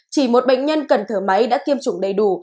chỉ một bệnh nhân cần thở máy đã tiêm chủng đầy đủ